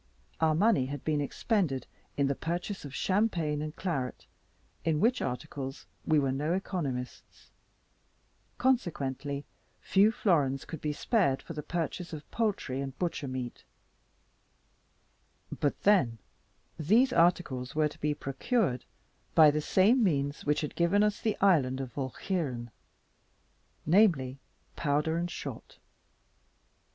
Our money had been expended in the purchase of champagne and claret, in which articles we were no economists, consequently few florins could be spared for the purchase of poultry and butcher meat; but then these articles were to be procured, by the same means which had given us the island of Walcheren, namely powder and shot.